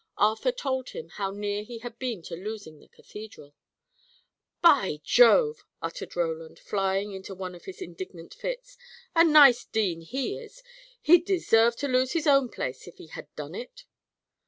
Arthur told him how near he had been to losing the Cathedral. "By Jove!" uttered Roland, flying into one of his indignant fits. "A nice dean he is! He'd deserve to lose his own place, if he had done it."